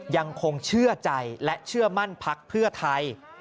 ยังคงเชื่อใจและเชื่อมั่นพักเพื่อไทย